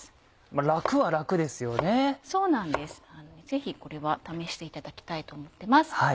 ぜひこれは試していただきたいと思ってます。